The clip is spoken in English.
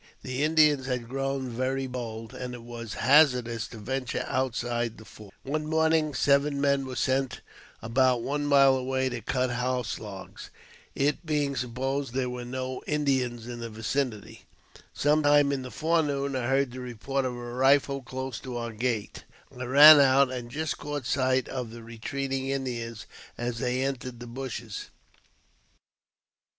The Indians had grown very bold, and it was hazardous to venture outside the fort. 184 AUTOBIOGBAPHY OF One morning seven men were sent about one mile away t cut house logs, it being supposed there were no Indians in tin vicinity. Some time in the forenoon I heard the report of rifle close to our gate, I ran out, and just caught sight of th retreating Indians as they entered the bushes.